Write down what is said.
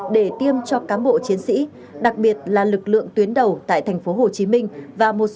để tiêm cho cám bộ chiến sĩ đặc biệt là lực lượng tuyến đầu tại tp hcm